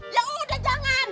ya udah jangan